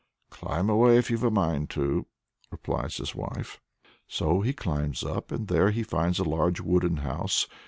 "Climb away, if you've a mind to," replies his wife. So he climbs up, and there he finds a large wooden house.